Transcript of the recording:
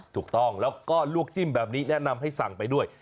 ถูกต้องแล้วก็ลวกจิ้มแบบนี้แนะนำให้สั่งไปด้วย